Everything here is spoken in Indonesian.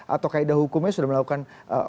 atau kaedah hukumnya sudah melakukan